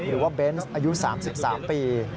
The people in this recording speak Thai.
หรือว่าเบนส์อายุ๓๓ปี